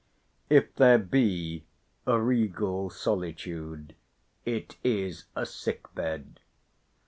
If there be a regal solitude, it is a sick bed.